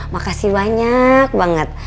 makasih banyak banget